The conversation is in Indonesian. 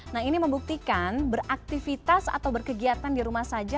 nah ini membuktikan beraktivitas atau berkegiatan di rumah saja